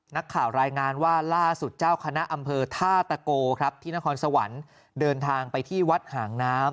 นักข่าวรายงานว่าล่าสุดเจ้าคณะอำเภอท่าตะโกครับที่นครสวรรค์เดินทางไปที่วัดหางน้ำ